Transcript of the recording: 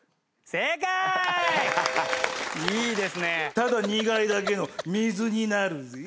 ただ苦いだけの水になるぜ。